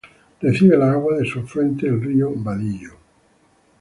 Recibe las aguas de su afluente, el río Badillo.